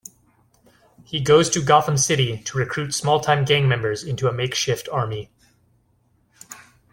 He goes to Gotham City to recruit small-time gang members into a makeshift "army".